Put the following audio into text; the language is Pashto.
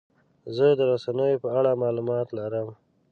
زه د رسنیو په اړه معلومات لرم.